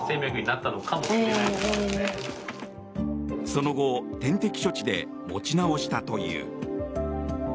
その後、点滴処置で持ち直したという。